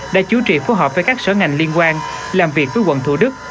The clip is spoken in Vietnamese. đã chú trị phù hợp với các sở ngành liên quan làm việc với quận thủ đức